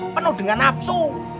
penuh dengan nafsu